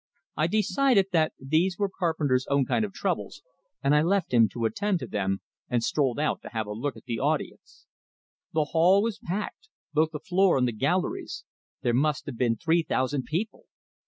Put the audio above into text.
I decided that these were Carpenter's own kind of troubles, and I left him to attend to them, and strolled out to have a look at the audience. The hall was packed, both the floor and the galleries; there must have been three thousand people.